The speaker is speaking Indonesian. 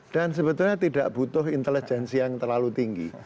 sebetulnya tidak butuh intelijensi yang terlalu tinggi